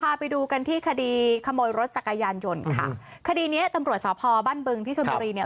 พาไปดูกันที่คดีขโมยรถจักรยานยนต์ค่ะคดีเนี้ยตำรวจสพบ้านบึงที่ชนบุรีเนี่ย